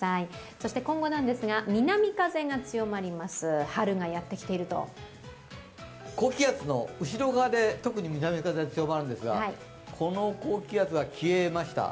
そして今後なんですが、南風が強まります、春がやってきていると高気圧の後ろ側で特に南風が強くなるんですが、この高気圧が消えました。